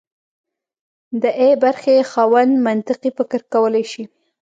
د ای برخې خاوند منطقي فکر کولی شي.